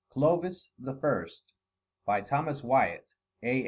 CLOVIS THE FIRST By THOMAS WYATT, A.